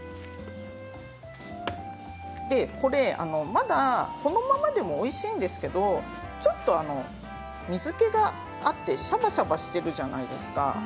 まだ、このままでもおいしいんですけれどちょっと水けがあってしゃばしゃばしてるじゃないですか。